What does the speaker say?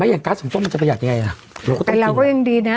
ไหมอย่างกัฎสงโต้มมันจะประหยัดยังไงอ่ะแต่เราก็ยังดีน่ะ